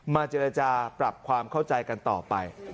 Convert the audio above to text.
เจรจาปรับความเข้าใจกันต่อไป